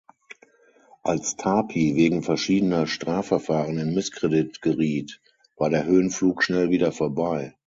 Als Tapie wegen verschiedener Strafverfahren in Misskredit geriet, war der Höhenflug schnell wieder vorbei.